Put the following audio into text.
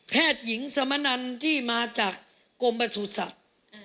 หญิงสมนันที่มาจากกรมประสุทธิ์สัตว์